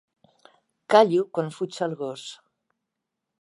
Callo quan fuig el gos.